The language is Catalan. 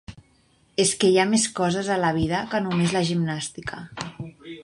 És que hi ha més coses a la vida que només la gimnàstica.